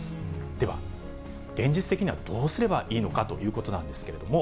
では、現実的にはどうすればいいのかということなんですけれども。